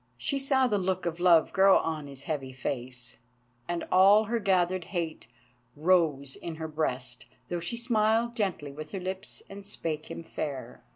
She saw the look of love grow on his heavy face, and all her gathered hate rose in her breast, though she smiled gently with her lips and spake him fair.